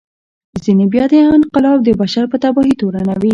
ځینې بیا دا انقلاب د بشر په تباهي تورنوي.